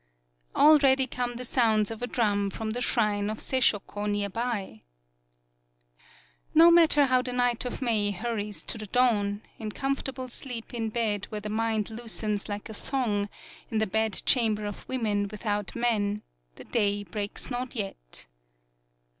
Already come the sounds of a drum from the shrine of Seishoko near by ! No matter how the night of May hur ries to the dawn, in comfortable sleep in bed where the mind loosens like a thong, in the bed chamber of women without man, the day breaks not yet.